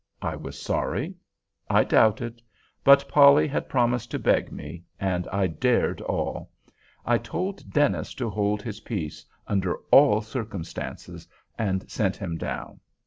I was sorry. I doubted. But Polly had promised to beg me, and I dared all! I told Dennis to hold his peace, under all circumstances, and sent him down.